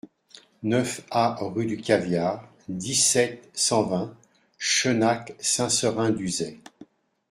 neuf A rue du Caviar, dix-sept, cent vingt, Chenac-Saint-Seurin-d'Uzet